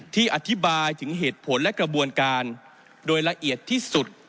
อธิบายถึงเหตุผลและกระบวนการโดยละเอียดที่สุด